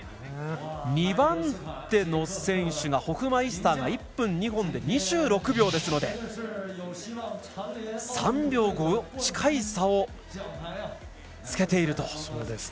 ２番手の選手、ホフマイスターが２本で１分２６秒ですので３秒５近い差をつけていると。